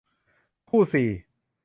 คู่สี่